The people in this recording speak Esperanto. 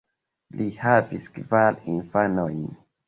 Li havis kvar infanojn.